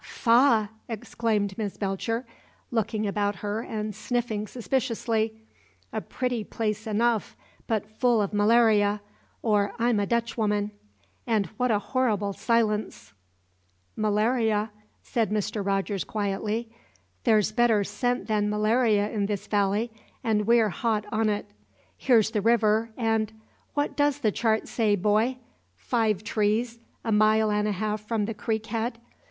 "Faugh!" exclaimed Miss Belcher, looking about her and sniffing suspiciously. "A pretty place enough, but full of malaria, or I'm a Dutchwoman! And what a horrible silence!" "Malaria?" said Mr. Rogers, quietly. "There's better scent than malaria in this valley, and we're hot on it. Here's the river, and What does the chart say, boy? Five trees, a mile and a half from the creek head?